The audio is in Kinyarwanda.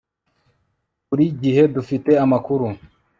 buri gihe dufite amakuru